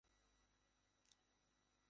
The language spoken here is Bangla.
প্রকাশিত হলে আমাকে জানাবে।